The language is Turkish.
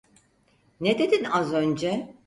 Ne dedin az önce?